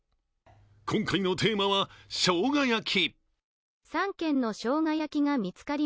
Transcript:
今回のテーマはしょうが焼き。